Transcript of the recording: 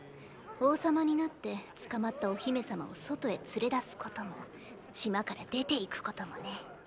王様になって捕まったお姫様を外へ連れ出すことも島から出ていくこともね！